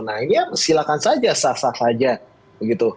nah ini ya silakan saja sah sah saja begitu